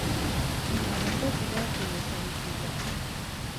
Abakozi baakulusanyizibwa.